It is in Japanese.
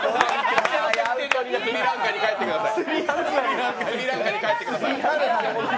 スリランカに帰ってください。